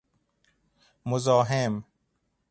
مزاحم